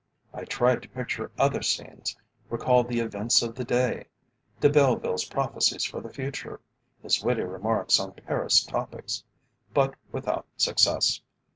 I tried to picture other scenes, recalled the events of the day De Belleville's prophecies for the future his witty remarks on Paris topics but without success.